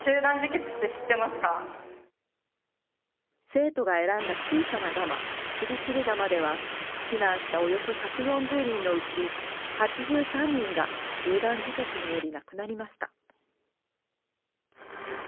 生徒が選んだ小さなガマ、チビチリガマでは、避難したおよそ１４０人のうち８３人が集団自決により亡くなりました。